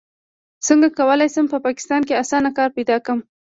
څنګه کولی شم په پاکستان کې اسانه کار پیدا کړم